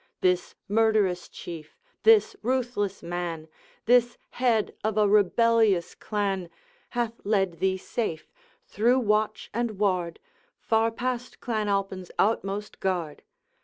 This murderous Chief, this ruthless man, This head of a rebellious clan, Hath led thee safe, through watch and ward, Far past Clan Alpine's outmost guard.